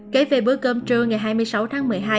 kể về bữa cơm trưa ngày hai mươi sáu tháng một mươi hai